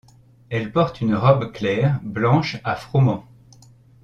Elle porte une robe claire, blanche à froment.